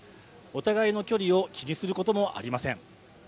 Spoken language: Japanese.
お互いの距離を気にすることもありません。